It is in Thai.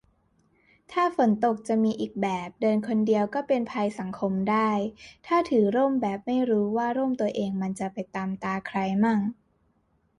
ถ้าฝนตก จะมีอีกแบบ เดินคนเดียวก็เป็นภัยสังคมได้ ถ้าถือร่มแบบไม่รู้ว่าร่มตัวเองมันจะไปตำตาใครมั่ง